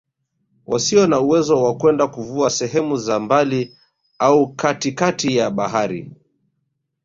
Wasio na uwezo wa kwenda kuvua sehemu za mbali au katikati ya bahari